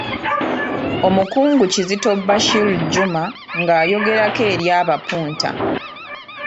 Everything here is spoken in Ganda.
Omukungu Kizito Bashir Juma ng'ayogerako eri abapunta.